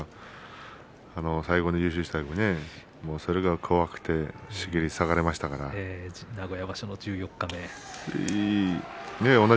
最後、優勝した時もそれが怖くて名古屋場所、十四日目。